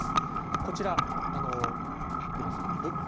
こちら、出ますかね。